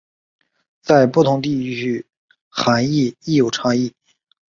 在不同地区涵义亦有差异。